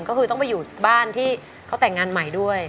ก็คือต้องไปอยู่บ้านที่เขาแต่งงานใหม่ด้วย